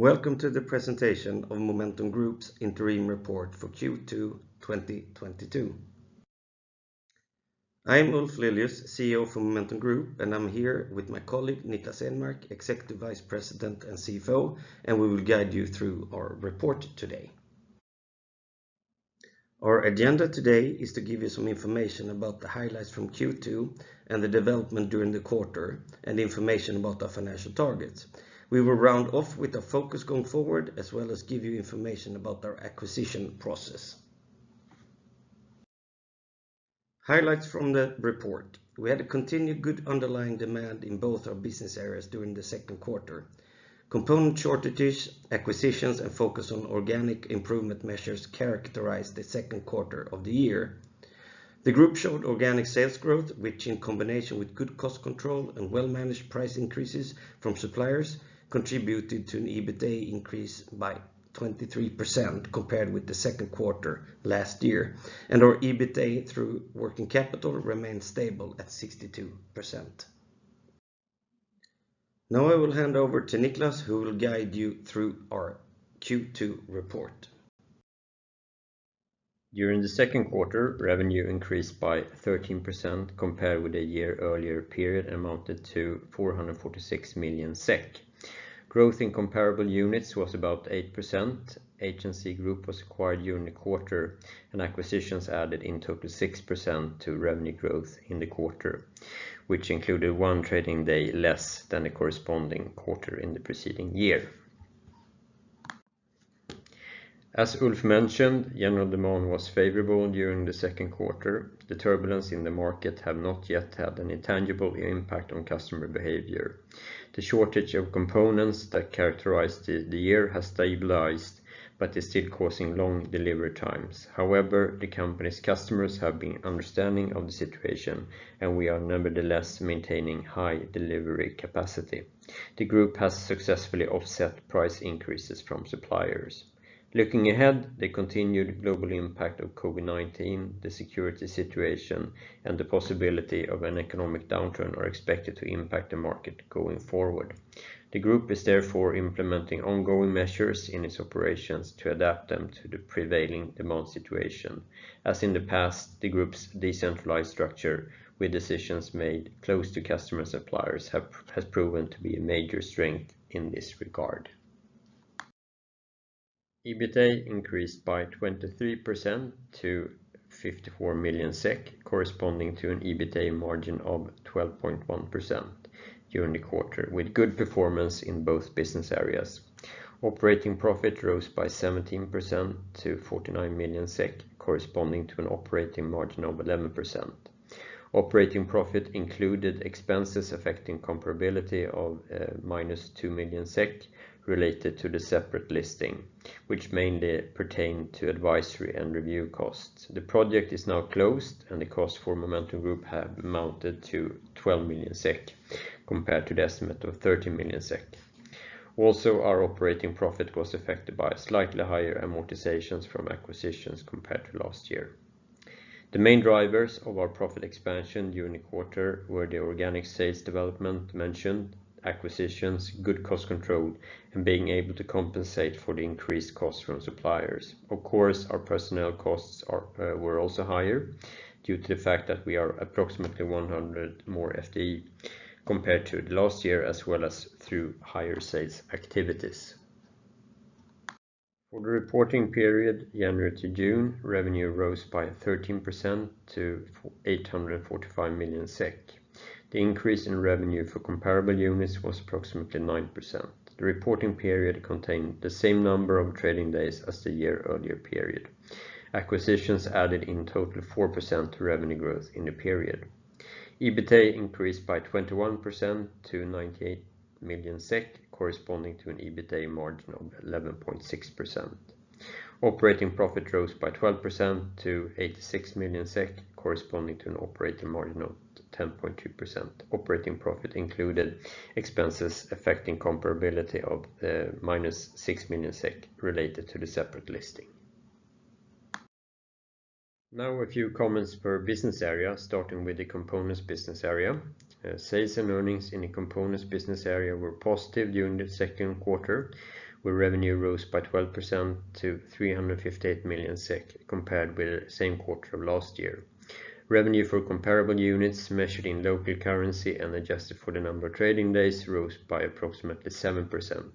Welcome to the presentation of Momentum Group's interim report for Q2 2022. I'm Ulf Lilius, CEO for Momentum Group, and I'm here with my colleague Niklas Enmark, Executive Vice President and CFO, and we will guide you through our report today. Our agenda today is to give you some information about the highlights from Q2 and the development during the quarter and information about our financial targets. We will round off with our focus going forward, as well as give you information about our acquisition process. Highlights from the report. We had a continued good underlying demand in both our business areas during the second quarter. Component shortages, acquisitions, and focus on organic improvement measures characterized the second quarter of the year. The group showed organic sales growth, which in combination with good cost control and well-managed price increases from suppliers, contributed to an EBITA increase by 23% compared with the second quarter last year. Our EBITA through working capital remained stable at 62%. Now I will hand over to Niklas, who will guide you through our Q2 report. During the second quarter, revenue increased by 13% compared with a year earlier period, amounted to 446 million SEK. Growth in comparable units was about 8%. HNC Group was acquired during the quarter, and acquisitions added in total 6% to revenue growth in the quarter, which included 1 trading day less than the corresponding quarter in the preceding year. As Ulf mentioned, general demand was favorable during the second quarter. The turbulence in the market has not yet had any tangible impact on customer behavior. The shortage of components that characterized the year has stabilized, but is still causing long delivery times. However, the company's customers have been understanding of the situation, and we are nevertheless maintaining high delivery capacity. The group has successfully offset price increases from suppliers. Looking ahead, the continued global impact of COVID-19, the security situation, and the possibility of an economic downturn are expected to impact the market going forward. The group is therefore implementing ongoing measures in its operations to adapt them to the prevailing demand situation. As in the past, the group's decentralized structure, with decisions made close to customers and suppliers, has proven to be a major strength in this regard. EBITA increased by 23% to 54 million SEK, corresponding to an EBITA margin of 12.1% during the quarter, with good performance in both business areas. Operating profit rose by 17% to 49 million SEK, corresponding to an operating margin of 11%. Operating profit included expenses affecting comparability of minus 2 million SEK related to the separate listing, which mainly pertained to advisory and review costs. The project is now closed, and the cost for Momentum Group has amounted to 12 million SEK compared to the estimate of 30 million SEK. Also, our operating profit was affected by slightly higher amortizations from acquisitions compared to last year. The main drivers of our profit expansion during the quarter were the organic sales development mentioned, acquisitions, good cost control, and being able to compensate for the increased costs from suppliers. Of course, our personnel costs are, were also higher due to the fact that we are approximately 100 more FTE compared to last year, as well as through higher sales activities. For the reporting period, January to June, revenue rose by 13% to 845 million SEK. The increase in revenue for comparable units was approximately 9%. The reporting period contained the same number of trading days as the year earlier period. Acquisitions added in total 4% to revenue growth in the period. EBITA increased by 21% to 98 million SEK, corresponding to an EBITA margin of 11.6%. Operating profit rose by 12% to 86 million SEK, corresponding to an operating margin of 10.2%. Operating profit included expenses affecting comparability of -6 million SEK related to the separate listing. Now a few comments per business area, starting with the components business area. Sales and earnings in the components business area were positive during the second quarter, where revenue rose by 12% to 358 million SEK compared with the same quarter of last year. Revenue for comparable units measured in local currency and adjusted for the number of trading days rose by approximately 7%.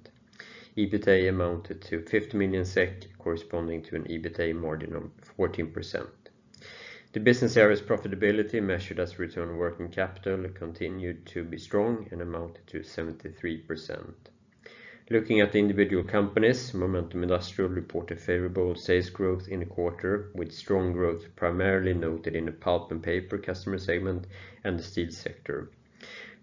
EBITA amounted to 50 million SEK, corresponding to an EBITA margin of 14%. The business area's profitability, measured as return on working capital, continued to be strong and amounted to 73%. Looking at the individual companies, Momentum Industrial reported favorable sales growth in the quarter, with strong growth primarily noted in the pulp and paper customer segment and the steel sector.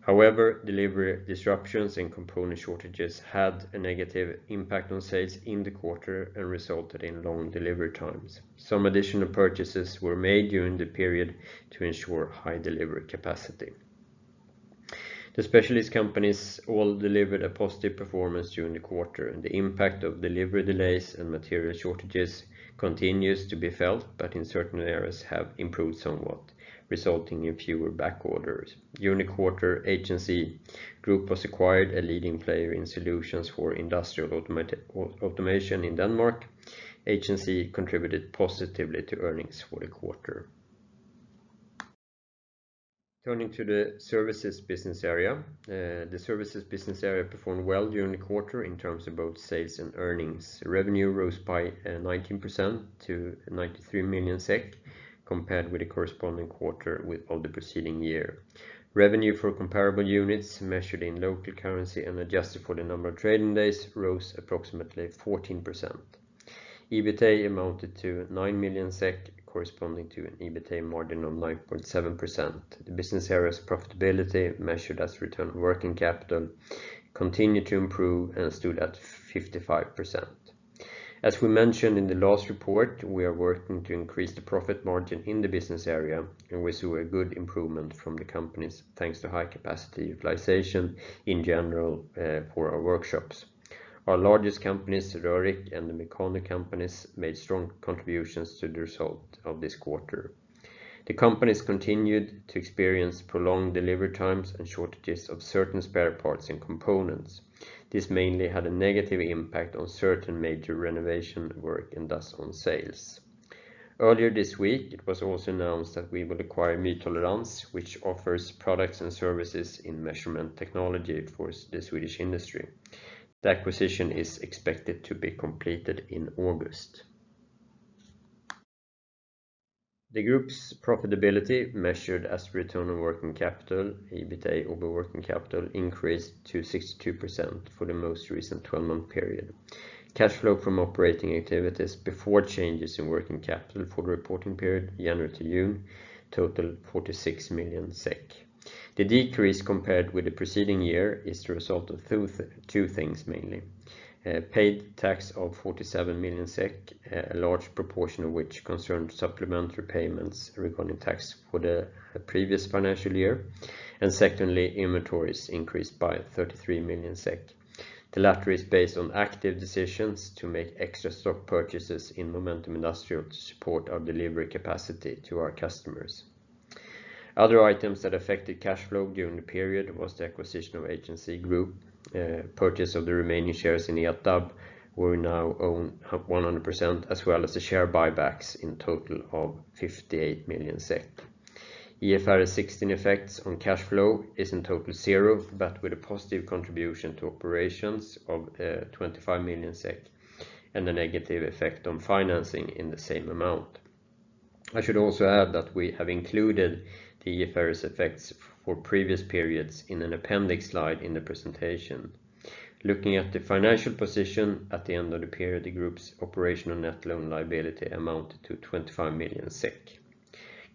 However, delivery disruptions and component shortages had a negative impact on sales in the quarter and resulted in long delivery times. Some additional purchases were made during the period to ensure high delivery capacity. The specialist companies all delivered a positive performance during the quarter, and the impact of delivery delays and material shortages continues to be felt, but in certain areas have improved somewhat, resulting in fewer back orders. During the quarter, HNC Group was acquired, a leading player in solutions for industrial automation in Denmark. HNC contributed positively to earnings for the quarter. Turning to the services business area. The services business area performed well during the quarter in terms of both sales and earnings. Revenue rose by 19% to 93 million SEK, compared with the corresponding quarter of the preceding year. Revenue for comparable units measured in local currency and adjusted for the number of trading days rose approximately 14%. EBITA amounted to 9 million SEK, corresponding to an EBITA margin of 9.7%. The business area's profitability, measured as return on working capital, continued to improve and stood at 55%. As we mentioned in the last report, we are working to increase the profit margin in the business area, and we saw a good improvement from the companies, thanks to high capacity utilization in general, for our workshops. Our largest companies, Rörick and the Mekano companies, made strong contributions to the result of this quarter. The companies continued to experience prolonged delivery times and shortages of certain spare parts and components. This mainly had a negative impact on certain major renovation work and thus on sales. Earlier this week, it was also announced that we will acquire Mytolerans, which offers products and services in measurement technology for the Swedish industry. The acquisition is expected to be completed in August. The group's profitability, measured as return on working capital, EBITA over working capital, increased to 62% for the most recent twelve-month period. Cash flow from operating activities before changes in working capital for the reporting period, January to June, totaled 46 million SEK. The decrease compared with the preceding year is the result of two things mainly. Paid tax of 47 million SEK, a large proportion of which concerned supplementary payments regarding tax for the previous financial year. Secondly, inventories increased by 33 million SEK. The latter is based on active decisions to make extra stock purchases in Momentum Industrial to support our delivery capacity to our customers. Other items that affected cash flow during the period was the acquisition of HNC Group, purchase of the remaining shares in Ertab, where we now own 100%, as well as the share buybacks in total of 58 million SEK. IFRS 16 effects on cash flow is in total 0, but with a positive contribution to operations of 25 million SEK and a negative effect on financing in the same amount. I should also add that we have included the IFRS effects for previous periods in an appendix slide in the presentation. Looking at the financial position at the end of the period, the group's operational net loan liability amounted to 25 million SEK.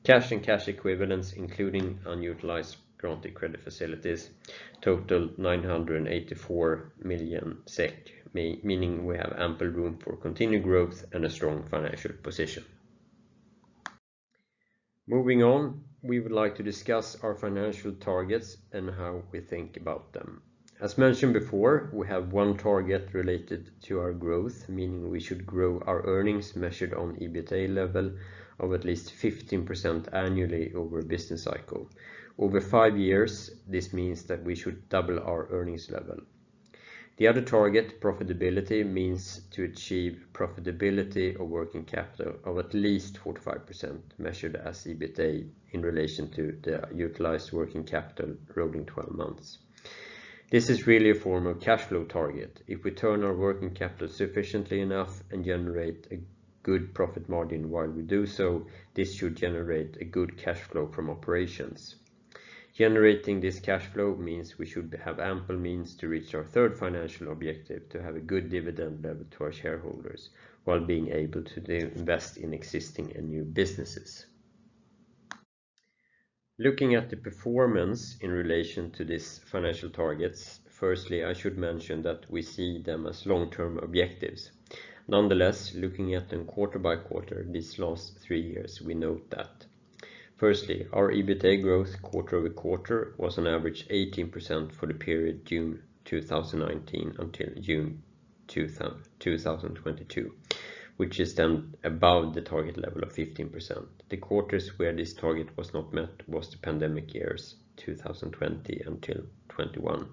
Cash and cash equivalents, including unutilized granted credit facilities, totaled 984 million SEK, meaning we have ample room for continued growth and a strong financial position. Moving on, we would like to discuss our financial targets and how we think about them. As mentioned before, we have one target related to our growth, meaning we should grow our earnings measured on EBITA level of at least 15% annually over a business cycle. Over five years, this means that we should double our earnings level. The other target, profitability, means to achieve profitability of working capital of at least 45%, measured as EBITA in relation to the utilized working capital rolling 12 months. This is really a form of cash flow target. If we turn our working capital sufficiently enough and generate a good profit margin while we do so, this should generate a good cash flow from operations. Generating this cash flow means we should have ample means to reach our third financial objective, to have a good dividend level to our shareholders while being able to invest in existing and new businesses. Looking at the performance in relation to these financial targets, firstly, I should mention that we see them as long-term objectives. Nonetheless, looking at them quarter by quarter these last three years, we note that firstly, our EBITA growth quarter-over-quarter was on average 18% for the period June 2019 until June 2022, which is then above the target level of 15%. The quarters where this target was not met was the pandemic years, 2020 until 2021.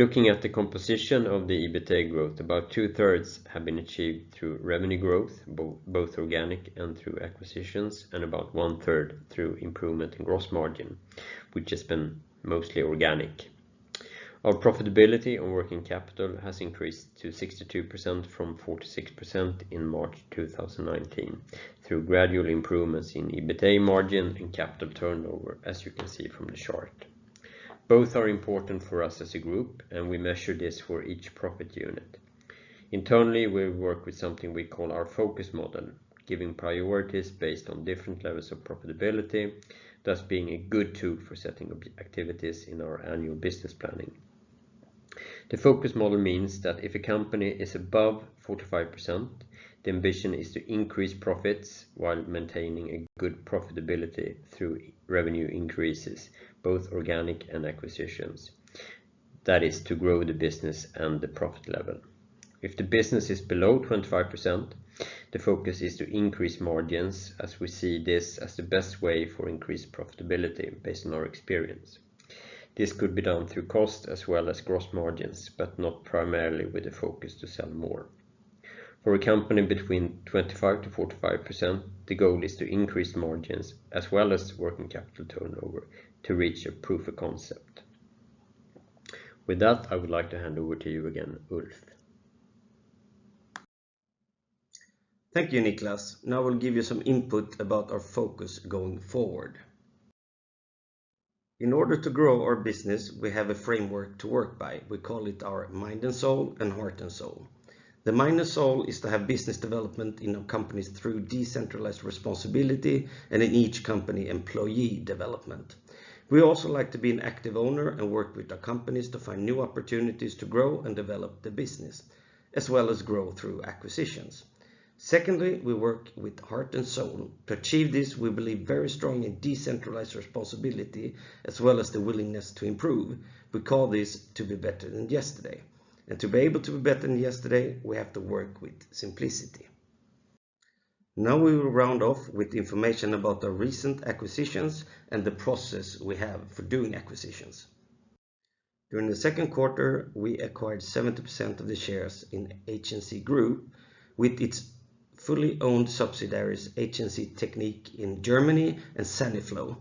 Looking at the composition of the EBITA growth, about two-thirds have been achieved through revenue growth, both organic and through acquisitions, and about one-third through improvement in gross margin, which has been mostly organic. Our profitability on working capital has increased to 62% from 46% in March 2019 through gradual improvements in EBITA margin and capital turnover, as you can see from the chart. Both are important for us as a group, and we measure this for each profit unit. Internally, we work with something we call our focus model, giving priorities based on different levels of profitability, thus being a good tool for setting up activities in our annual business planning. The focus model means that if a company is above 45%, the ambition is to increase profits while maintaining a good profitability through revenue increases, both organic and acquisitions. That is to grow the business and the profit level. If the business is below 25%, the focus is to increase margins as we see this as the best way for increased profitability based on our experience. This could be done through cost as well as gross margins, but not primarily with the focus to sell more. For a company between 25%-45%, the goal is to increase margins as well as working capital turnover to reach a proof of concept. With that, I would like to hand over to you again, Ulf Lilius. Thank you, Niklas. Now we'll give you some input about our focus going forward. In order to grow our business, we have a framework to work by. We call it our mind and soul and heart and soul. The mind and soul is to have business development in our companies through decentralized responsibility and in each company employee development. We also like to be an active owner and work with our companies to find new opportunities to grow and develop the business, as well as grow through acquisitions. Secondly, we work with heart and soul. To achieve this, we believe very strong in decentralized responsibility as well as the willingness to improve. We call this to be better than yesterday. To be able to be better than yesterday, we have to work with simplicity. Now we will round off with information about our recent acquisitions and the process we have for doing acquisitions. During the second quarter, we acquired 70% of the shares in HNC Group A/S with its fully owned subsidiaries, HNC Technik GmbH in Germany and Saniflow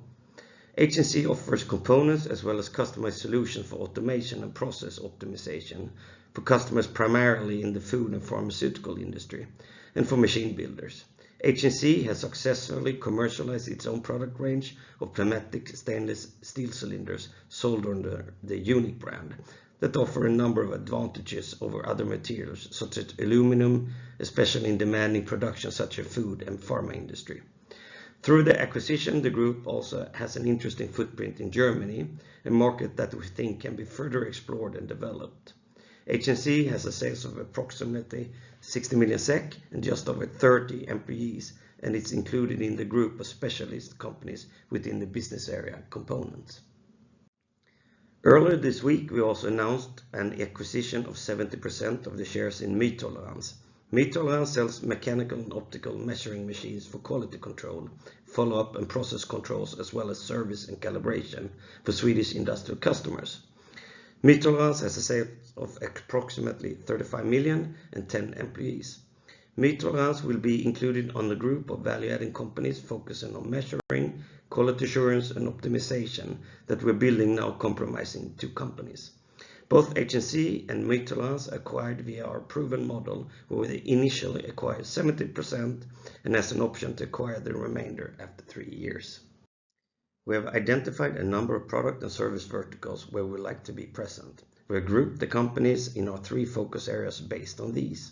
ApS. HNC Group A/S offers components as well as customized solutions for automation and process optimization for customers primarily in the food and pharmaceutical industry and for machine builders. HNC Group A/S has successfully commercialized its own product range of pneumatic stainless steel cylinders sold under the UNIC brand that offer a number of advantages over other materials such as aluminum, especially in demanding production such as food and pharma industry. Through the acquisition, the group also has an interesting footprint in Germany, a market that we think can be further explored and developed. HNC has sales of approximately 60 million SEK and just over 30 employees, and it's included in the group of specialist companies within the business area components. Earlier this week, we also announced an acquisition of 70% of the shares in Mytolerans. Mytolerans sells mechanical and optical measuring machines for quality control, follow-up, and process controls, as well as service and calibration for Swedish industrial customers. Mytolerans has sales of approximately 35 million and 10 employees. Mytolerans will be included on the group of value-adding companies focusing on measuring, quality assurance, and optimization that we're building now comprising two companies. Both HNC and Mytolerans acquired via our proven model where they initially acquired 70% and has an option to acquire the remainder after 3 years. We have identified a number of product and service verticals where we'd like to be present. We've grouped the companies in our three focus areas based on these.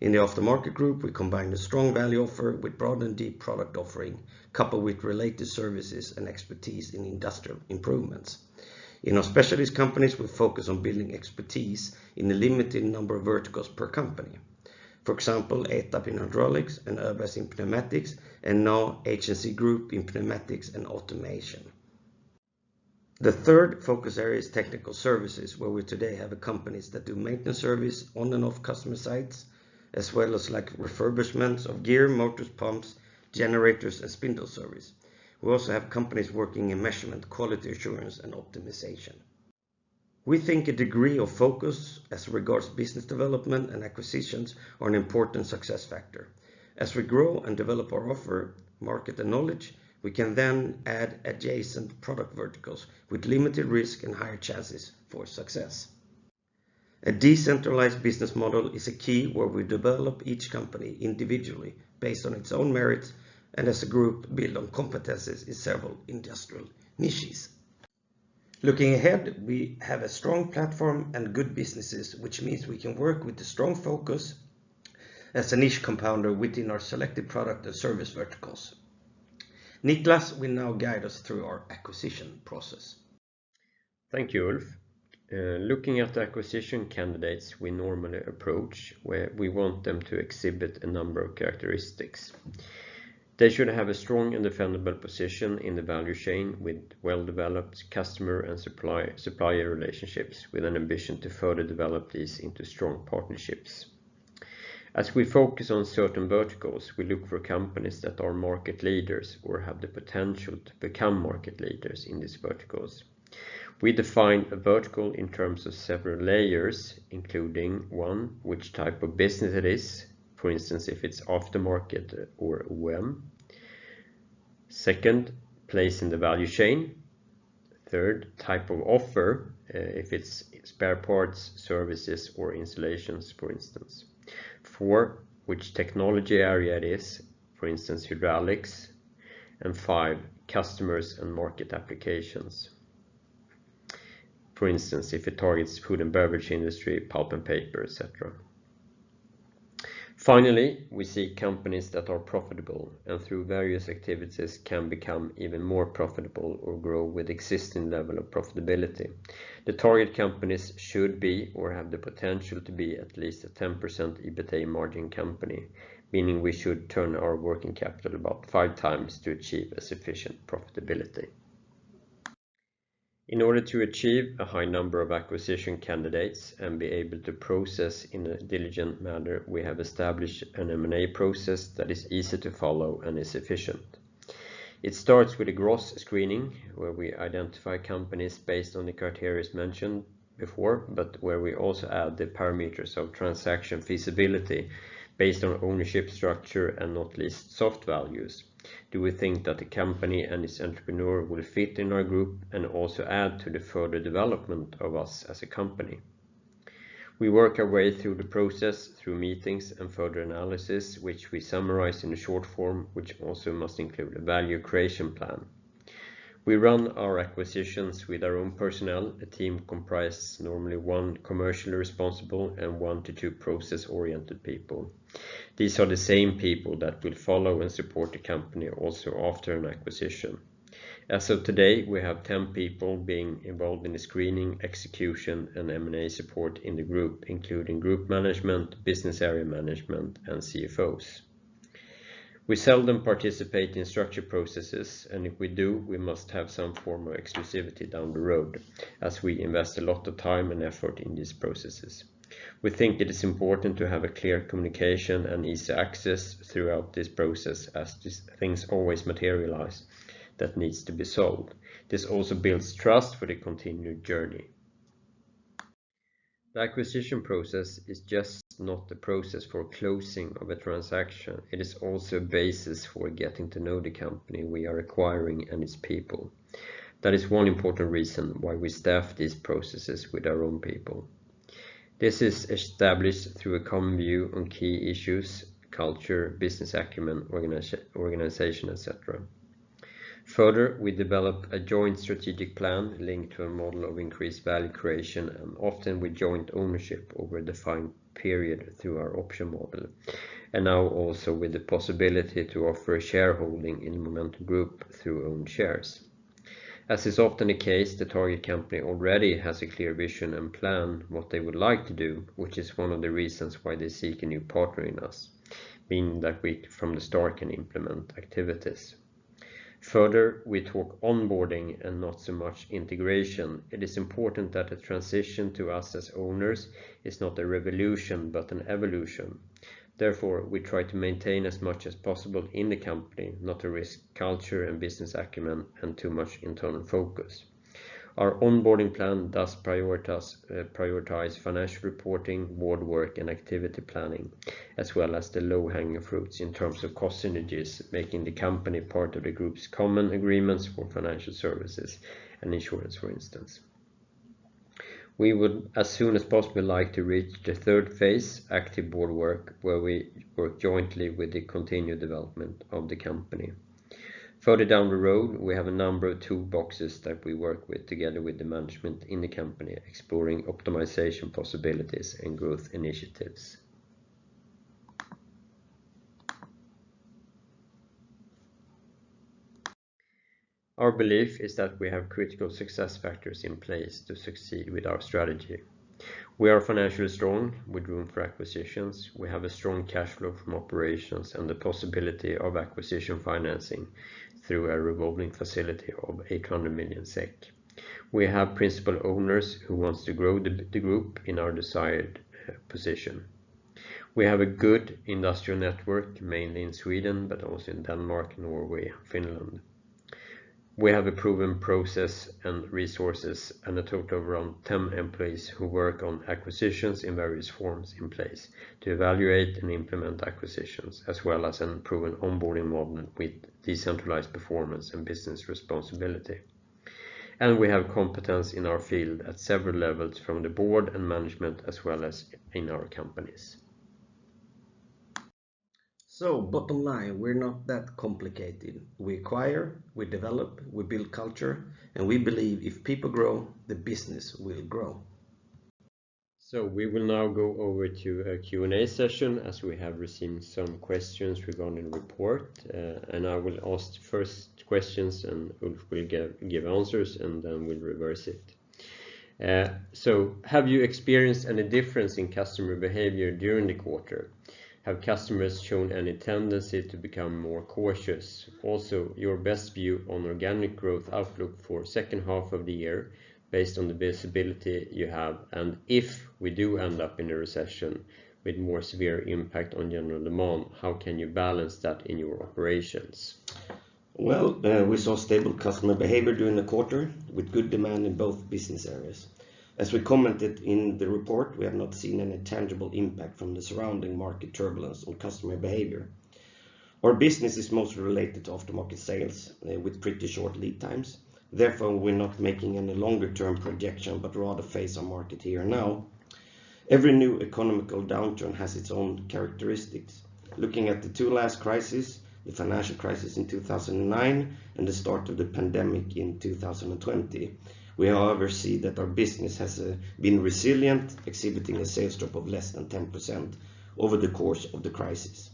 In the after-market group, we combine the strong value offer with broad and deep product offering, coupled with related services and expertise in industrial improvements. In our specialist companies, we focus on building expertise in a limited number of verticals per company. For example, ETAB in hydraulics and Örnäs in pneumatics, and now HNC Group in pneumatics and automation. The third focus area is technical services, where we today have companies that do maintenance service on and off customer sites, as well as like refurbishments of gear, motors, pumps, generators, and spindle service. We also have companies working in measurement, quality assurance, and optimization. We think a degree of focus as regards business development and acquisitions are an important success factor. As we grow and develop our offer, market, and knowledge, we can then add adjacent product verticals with limited risk and higher chances for success. A decentralized business model is a key where we develop each company individually based on its own merits and as a group build on competencies in several industrial niches. Looking ahead, we have a strong platform and good businesses, which means we can work with a strong focus as a niche compounder within our selected product and service verticals. Niklas will now guide us through our acquisition process. Thank you, Ulf. Looking at the acquisition candidates we normally approach, where we want them to exhibit a number of characteristics. They should have a strong and defendable position in the value chain with well-developed customer and supply-supplier relationships with an ambition to further develop these into strong partnerships. As we focus on certain verticals, we look for companies that are market leaders or have the potential to become market leaders in these verticals. We define a vertical in terms of several layers, including one, which type of business it is, for instance, if it's after market or OEM. Second, place in the value chain. Third, type of offer, if it's spare parts, services, or installations, for instance. Four, which technology area it is, for instance, hydraulics. Five, customers and market applications, for instance, if it targets food and beverage industry, pulp and paper, et cetera. Finally, we see companies that are profitable and through various activities can become even more profitable or grow with existing level of profitability. The target companies should be, or have the potential to be, at least a 10% EBITA margin company, meaning we should turn our working capital about five times to achieve a sufficient profitability. In order to achieve a high number of acquisition candidates and be able to process in a diligent manner, we have established an M&A process that is easy to follow and is efficient. It starts with a gross screening, where we identify companies based on the criteria mentioned before, but where we also add the parameters of transaction feasibility based on ownership structure and not least soft values. Do we think that the company and its entrepreneur will fit in our group and also add to the further development of us as a company? We work our way through the process, through meetings and further analysis, which we summarize in a short form, which also must include a value creation plan. We run our acquisitions with our own personnel. A team comprise normally one commercially responsible and 1 to 2 process-oriented people. These are the same people that will follow and support the company also after an acquisition. As of today, we have 10 people being involved in the screening, execution, and M&A support in the group, including group management, business area management, and CFOs. We seldom participate in structured processes, and if we do, we must have some form of exclusivity down the road as we invest a lot of time and effort in these processes. We think it is important to have a clear communication and easy access throughout this process as these things always materialize that needs to be solved. This also builds trust for the continued journey. The acquisition process is just not the process for closing of a transaction. It is also a basis for getting to know the company we are acquiring and its people. That is one important reason why we staff these processes with our own people. This is established through a common view on key issues, culture, business acumen, organization, et cetera. Further, we develop a joint strategic plan linked to a model of increased value creation and often with joint ownership over a defined period through our option model. Now also with the possibility to offer a shareholding in Momentum Group through own shares. As is often the case, the target company already has a clear vision and plan what they would like to do, which is one of the reasons why they seek a new partner in us, meaning that we from the start can implement activities. Further, we talk onboarding and not so much integration. It is important that a transition to us as owners is not a revolution, but an evolution. Therefore, we try to maintain as much as possible in the company, not to risk culture and business acumen and too much internal focus. Our onboarding plan does prioritize financial reporting, board work, and activity planning, as well as the low-hanging fruits in terms of cost synergies, making the company part of the group's common agreements for financial services and insurance, for instance. We would, as soon as possible, like to reach the third phase, active board work, where we work jointly with the continued development of the company. Further down the road, we have a number of toolboxes that we work with together with the management in the company, exploring optimization possibilities and growth initiatives. Our belief is that we have critical success factors in place to succeed with our strategy. We are financially strong with room for acquisitions. We have a strong cash flow from operations and the possibility of acquisition financing through a revolving facility of 800 million SEK. We have principal owners who wants to grow the group in our desired position. We have a good industrial network, mainly in Sweden but also in Denmark, Norway, Finland. We have a proven process and resources and a total of around 10 employees who work on acquisitions in various forms in place to evaluate and implement acquisitions, as well as a proven onboarding model with decentralized performance and business responsibility. We have competence in our field at several levels from the board and management, as well as in our companies. Bottom line, we're not that complicated. We acquire, we develop, we build culture, and we believe if people grow, the business will grow. We will now go over to a Q&A session as we have received some questions regarding the report. I will ask the first questions and Ulf will give answers, and then we'll reverse it. Have you experienced any difference in customer behavior during the quarter? Have customers shown any tendency to become more cautious? Also, your best view on organic growth outlook for second half of the year based on the visibility you have, and if we do end up in a recession with more severe impact on general demand, how can you balance that in your operations? Well, we saw stable customer behavior during the quarter with good demand in both business areas. As we commented in the report, we have not seen any tangible impact from the surrounding market turbulence on customer behavior. Our business is mostly related to aftermarket sales with pretty short lead times. Therefore, we're not making any longer term projection, but rather face our market here and now. Every new economic downturn has its own characteristics. Looking at the two last crises, the financial crisis in 2009 and the start of the pandemic in 2020, we however see that our business has been resilient, exhibiting a sales drop of less than 10% over the course of the crisis.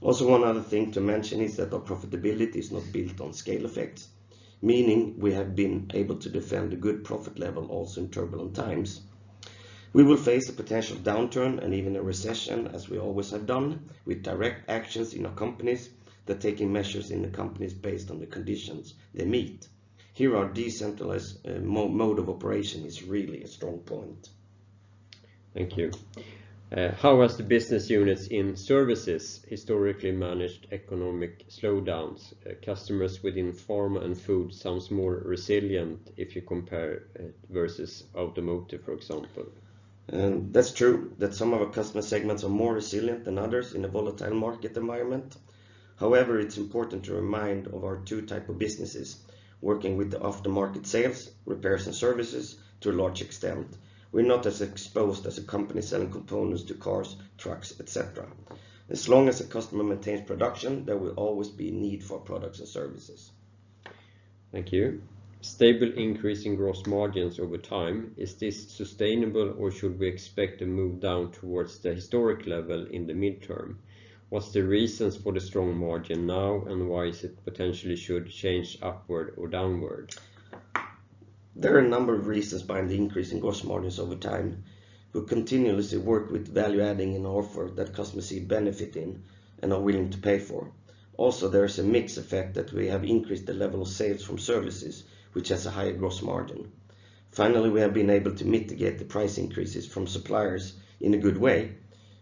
Also, one other thing to mention is that our profitability is not built on scale effects, meaning we have been able to defend a good profit level also in turbulent times. We will face a potential downturn and even a recession as we always have done with direct actions in our companies by taking measures in the companies based on the conditions they meet. Here our decentralized mode of operation is really a strong point. Thank you. How has the business units in services historically managed economic slowdowns? Customers within farm and food sounds more resilient if you compare versus automotive, for example. That's true that some of our customer segments are more resilient than others in a volatile market environment. However, it's important to remind of our two type of businesses working with the aftermarket sales, repairs, and services to a large extent. We're not as exposed as a company selling components to cars, trucks, et cetera. As long as the customer maintains production, there will always be need for products and services. Thank you. Stable increase in gross margins over time, is this sustainable, or should we expect to move down towards the historical level in the medium term? What's the reasons for the strong margin now, and why is it potentially should change upward or downward? There are a number of reasons behind the increase in gross margins over time. We continuously work with value-adding an offer that customers see benefit in and are willing to pay for. Also, there is a mix effect that we have increased the level of sales from services, which has a higher gross margin. Finally, we have been able to mitigate the price increases from suppliers in a good way.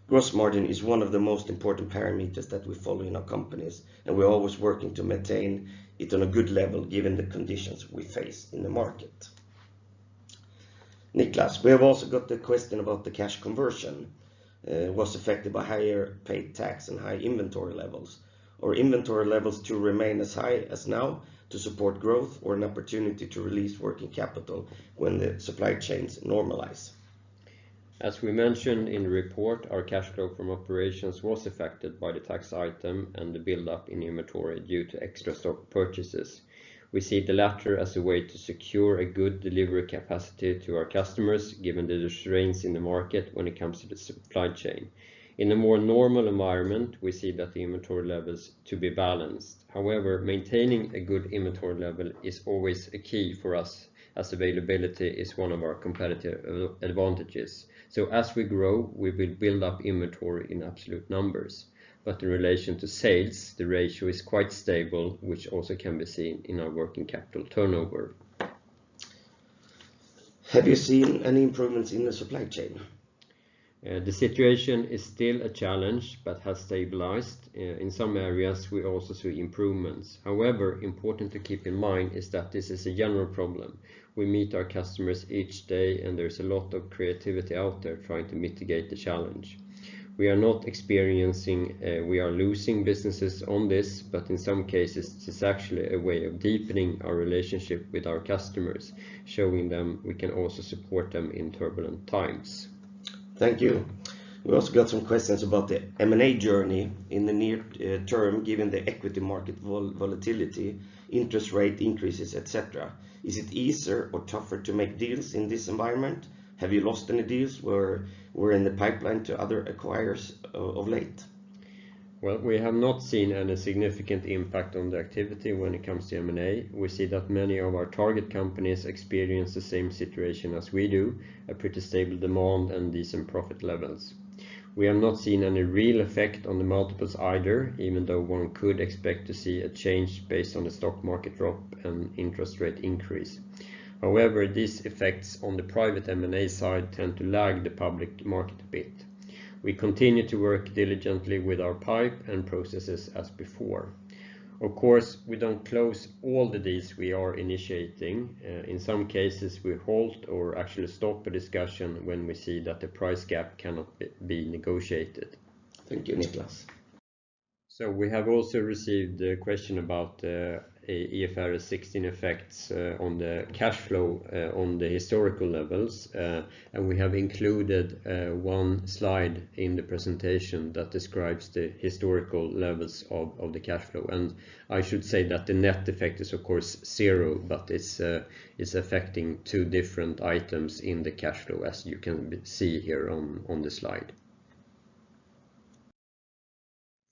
Gross margin is one of the most important parameters that we follow in our companies, and we're always working to maintain it on a good level given the conditions we face in the market. Niklas, we have also got the question about the cash conversion, was affected by higher paid tax and high inventory levels. Are inventory levels to remain as high as now to support growth or an opportunity to release working capital when the supply chains normalize? As we mentioned in the report, our cash flow from operations was affected by the tax item and the buildup in inventory due to extra stock purchases. We see the latter as a way to secure a good delivery capacity to our customers given the constraints in the market when it comes to the supply chain. In a more normal environment, we see that the inventory levels to be balanced. However, maintaining a good inventory level is always a key for us as availability is one of our competitive advantages. As we grow, we will build up inventory in absolute numbers. In relation to sales, the ratio is quite stable, which also can be seen in our working capital turnover. Have you seen any improvements in the supply chain? The situation is still a challenge but has stabilized. In some areas, we also see improvements. However, important to keep in mind is that this is a general problem. We meet our customers each day, and there's a lot of creativity out there trying to mitigate the challenge. We are losing businesses on this, but in some cases, it's actually a way of deepening our relationship with our customers, showing them we can also support them in turbulent times. Thank you. We also got some questions about the M&A journey in the near term, given the equity market volatility, interest rate increases, et cetera. Is it easier or tougher to make deals in this environment? Have you lost any deals or in the pipeline to other acquirers of late? Well, we have not seen any significant impact on the activity when it comes to M&A. We see that many of our target companies experience the same situation as we do, a pretty stable demand and decent profit levels. We have not seen any real effect on the multiples either, even though one could expect to see a change based on the stock market drop and interest rate increase. However, these effects on the private M&A side tend to lag the public market a bit. We continue to work diligently with our pipeline and processes as before. Of course, we don't close all the deals we are initiating. In some cases, we halt or actually stop a discussion when we see that the price gap cannot be negotiated. Thank you, Niklas. We have also received a question about IFRS 16 effects on the cash flow on the historical levels. We have included one slide in the presentation that describes the historical levels of the cash flow. I should say that the net effect is of course zero, but it's affecting two different items in the cash flow as you can see here on the slide.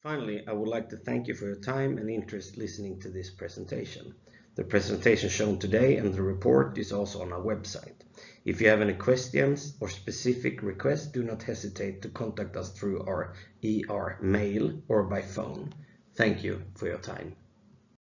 Finally, I would like to thank you for your time and interest listening to this presentation. The presentation shown today and the report is also on our website. If you have any questions or specific requests, do not hesitate to contact us through our IR mail or by phone. Thank you for your time.